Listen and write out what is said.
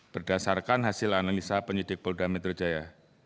berdasarkan hasil analisa penyidik polda metro jaya